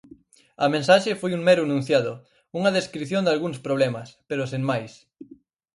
A mensaxe foi un mero enunciado, unha descrición dalgúns problemas, pero sen máis.